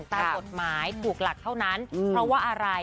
ตามกฎหมายถูกหลักเท่านั้นเพราะว่าอะไร